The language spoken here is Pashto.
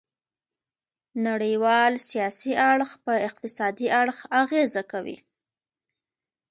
نړیوال سیاسي اړخ په اقتصادي اړخ اغیزه کوي